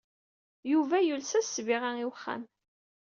Yuba yules-as ssbiɣa i uxxam.